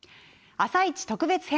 「あさイチ」特別編。